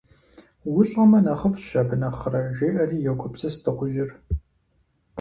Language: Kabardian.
УлӀэмэ, нэхъыфӀщ, абы нэхърэ, жеӏэри йогупсыс дыгъужьыр.